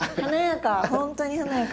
華やか！